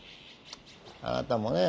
あなたもね